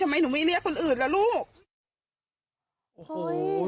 ทำไมหนูไม่เรียกคนอื่นล่ะลูก